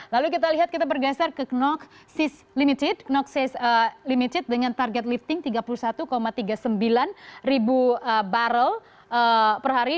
lalu kita lihat kita bergeser ke knox limited dengan target lifting tiga puluh satu tiga puluh sembilan ribu barrel per hari